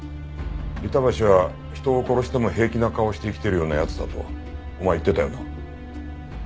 板橋は人を殺しても平気な顔をして生きてるような奴だとお前言ってたよな。